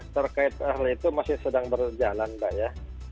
terkait hal itu masih sedang berjalan mbak ya